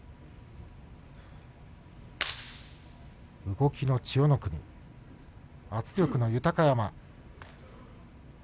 動きの千代の国圧力の豊山です。